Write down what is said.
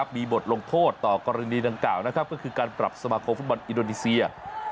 มีบทลงโทษต่อกรณีดังกล่าวก็คือการปรับสมาคมฟุตบอลอินโดนีเซีย